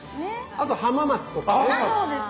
あと浜松とかね。